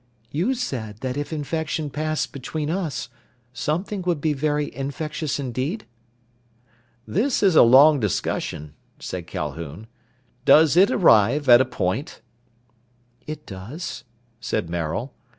"You said that if infection passed between us, something would be very infectious indeed?" "This is a long discussion," said Calhoun. "Does it arrive at a point?" "It does," said Maril.